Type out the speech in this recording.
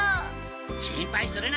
心配するな。